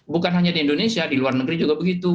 bukan hanya di indonesia di luar negeri juga begitu